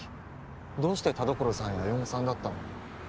どうして田所さんや四方さんだったの？